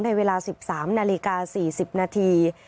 เวลา๑๓นาฬิกา๔๐นาที